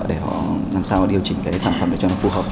để họ làm sao điều chỉnh cái sản phẩm này cho nó phù hợp